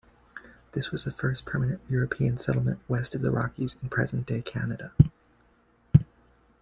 This was the first permanent European settlement west of the Rockies in present-day Canada.